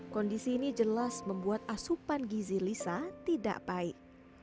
kondisi ini jelas membuat asupan gizi lisa tidak baik